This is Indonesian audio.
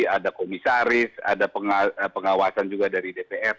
ada komisaris ada pengawasan juga dari dpr